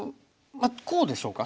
こうでしょうか？